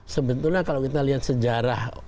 sebetulnya kalau kita lihat sejarah